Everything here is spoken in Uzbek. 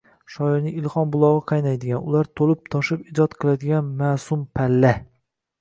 Shoirlarning ilhom bulogʻi qaynaydigan, ular toʻlib-toshib ijod qiladigan masʼum palla.